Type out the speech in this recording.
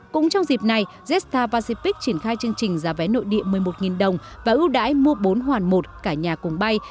cũng trong dịp này jetstar pacific triển khai chương trình giá vé nội địa một mươi một đồng và ưu đãi mua bốn hoàn một cả nhà cùng bay